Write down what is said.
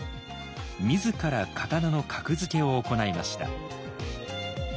自ら刀の格付けを行いました。